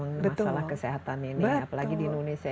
masalah kesehatan ini apalagi di indonesia